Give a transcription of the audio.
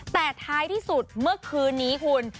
แต่ท้ายที่สุดเมื่อคืนนี้คุณ